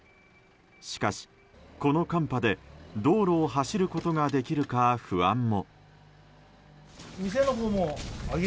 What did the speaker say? しかし、この寒波で道路を走ることができるか不安も。